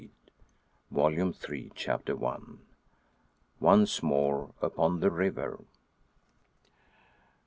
Volume Three, Chapter I. ONCE MORE UPON THE RIVER.